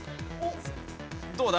どうだ？